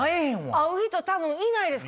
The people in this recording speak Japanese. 合う人多分いないです